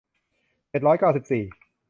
เจ็ดร้อยเก้าสิบสี่